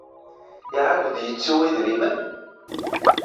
Iɛawed yettu idrimen?